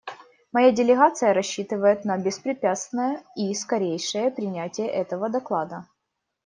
Моя делегация рассчитывает на беспрепятственное и скорейшее принятие этого доклада.